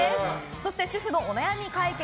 そして主婦のお悩み解決！